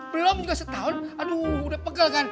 belum juga setahun aduh udah pegel kan